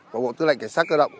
và bộ tư lệnh cảnh sát cơ động